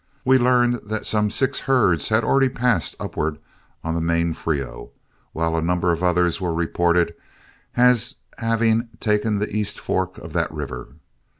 We learned that some six herds had already passed upward on the main Frio, while a number of others were reported as having taken the east fork of that river.